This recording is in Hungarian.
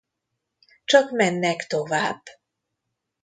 Csak mennek tovább.